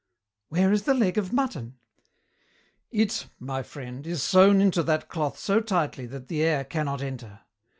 "Where is the leg of mutton?" "It, my friend, is sewn into that cloth so tightly that the air cannot enter.